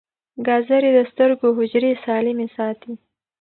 ګازرې د سترګو حجرې سالمې ساتي.